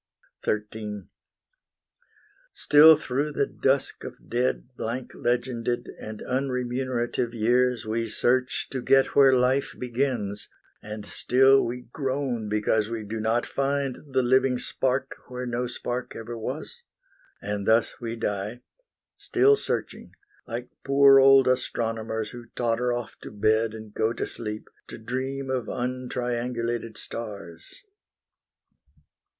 XIII Still through the dusk of dead, blank legended, And unremunerative years we search To get where life begins, and still we groan Because we do not find the living spark Where no spark ever was; and thus we die, Still searching, like poor old astronomers Who totter off to bed and go to sleep, To dream of untriangulated stars.